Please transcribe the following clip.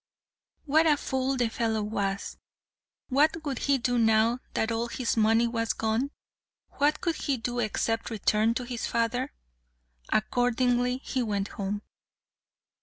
What a fool the fellow was! What would he do now that all his money was gone? What could he do except return to his father? Accordingly he went home.